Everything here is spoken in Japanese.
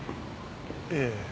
ええ。